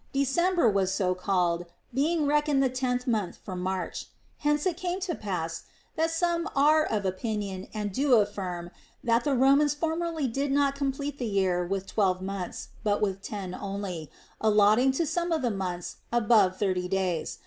December was so called, being reckoned the tenth from March ; hence it came to pass that some are of opinion and do affirm that the Romans formerly did not complete the year with twelve months, but with ten only, allotting to some of the months above thirty days.